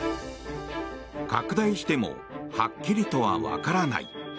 拡大してもはっきりとはわからない。